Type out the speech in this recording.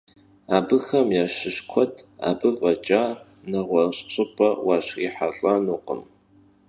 Abıxem yaşış kued abı f'eç'a neğueş' ş'ıp'e vuşrihelh'enukhım.